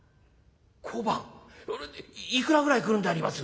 いくらぐらいくるんであります？」。